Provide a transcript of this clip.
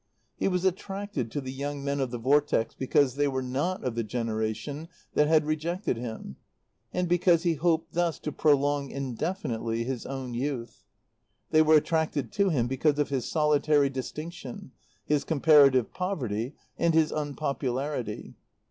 He was attracted to the young men of the Vortex because they were not of the generation that had rejected him, and because he hoped thus to prolong indefinitely his own youth. They were attracted to him because of his solitary distinction, his comparative poverty, and his unpopularity.